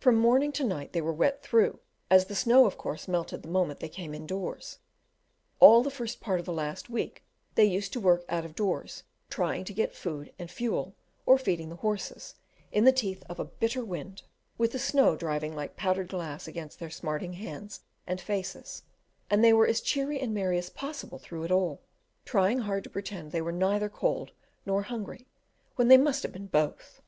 From morning to night they were wet through, as the snow of course melted the moment they came indoors. All the first part of the last week they used to work out of doors, trying to get food and fuel, or feeding the horses, in the teeth of a bitter wind, with the snow driving like powdered glass against their smarting hands and faces; and they were as cheery and merry as possible through it all, trying hard to pretend they were neither hungry nor cold, when they must have been both.